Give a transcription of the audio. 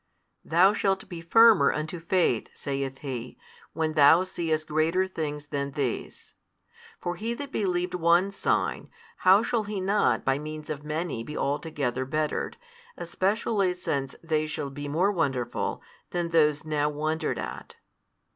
Thou shalt be firmer unto faith, saith He, when thou seest greater things than these. For he that believed one sign, how shall he not by means of many be altogether bettered, especially since they shall be more wonderful than those now wondered at?